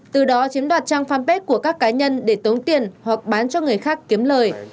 từ đó chiếm đoạt trang fanpage của các cá nhân để tống tiền hoặc bán cho người khác kiếm lời